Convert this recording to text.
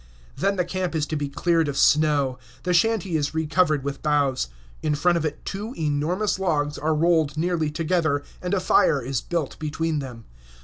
Then the camp is to be cleared of snow. The shanty is re covered with boughs. In front of it two enormous logs are rolled nearly together, and a fire is built between them.